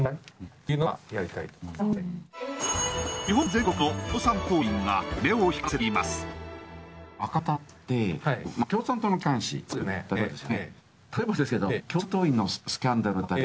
日本全国の共産党員が目を光らせています。